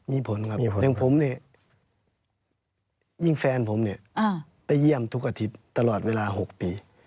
มีผลครับยิ่งแฟนผมเนี่ยไปเยี่ยมทุกอาทิตย์ตลอดเวลา๖ปี